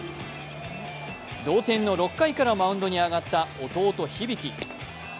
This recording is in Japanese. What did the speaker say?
同点の６回からマウンドに上がった弟・響。